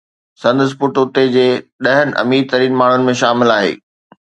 سندس پٽ اتي جي ڏهن امير ترين ماڻهن ۾ شامل آهي.